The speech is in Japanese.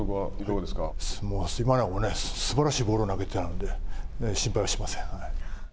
今永もすばらしいボールを投げてたので心配はしてません、はい。